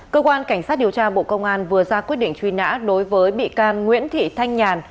cơ quan cảnh sát điều tra bộ công an vừa ra quyết định truy nã đối với bị can nguyễn thị thanh nhàn